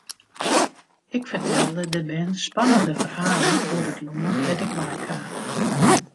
Ik fertelde de bern spannende ferhalen oer it lân dêr't ik wei kaam.